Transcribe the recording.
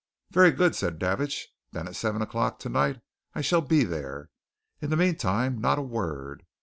"Very good," said Davidge. "Then at seven o'clock tonight I shall be there. In the meantime not a word.